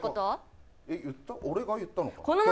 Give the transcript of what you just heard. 俺が言ったのかな